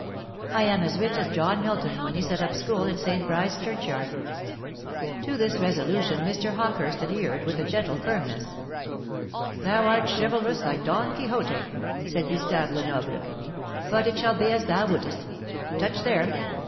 I am as rich as John Milton when he set up a school in St. Bride's Churchyard." To this resolution Mr. Hawkehurst adhered with a gentle firmness. "Thou art chivalrous like Don Quixote," said Gustave Lenoble; "but it shall be as thou wouldest. Touch there."